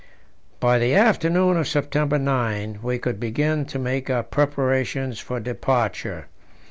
By the afternoon of September 9 we could begin to make our preparations for departure.